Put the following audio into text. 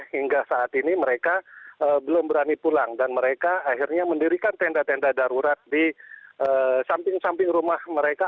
hingga saat ini mereka belum berani pulang dan mereka akhirnya mendirikan tenda tenda darurat di samping samping rumah mereka